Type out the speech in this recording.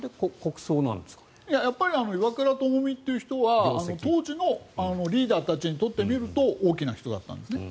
岩倉具視という人は当時のリーダーたちにとってみると大きな人だったんですね。